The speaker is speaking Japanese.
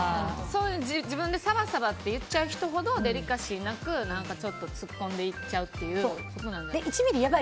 自分でサバサバって言っちゃう人ほどデリカシーなくちょっと突っ込んでいっちゃうっていうことなんじゃないですか。